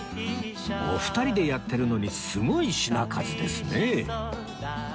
お二人でやってるのにすごい品数ですね